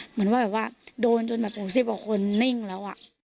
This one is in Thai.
เหมือนว่าแบบว่าโดนจนแบบ๖๐กว่าคนนิ่งแล้วอ่ะ